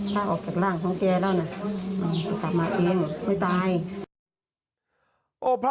ถ้าออกจากร่างของแกแล้วนะจะกลับมาเองไม่ตาย